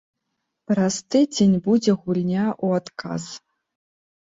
Праз тыдзень будзе гульня ў адказ.